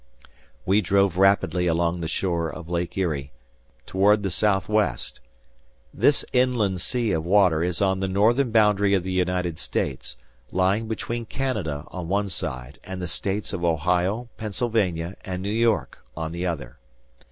We drove rapidly along the shore of Lake Erie, toward the southwest. This inland sea of water is on the northern boundary of the United States, lying between Canada on one side and the States of Ohio, Pennsylvania and New York on the other.